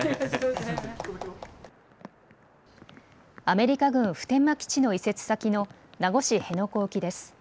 アメリカ軍普天間基地の移設先の名護市辺野古沖です。